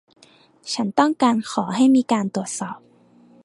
ฉันต้องการขอให้มีการตรวจสอบ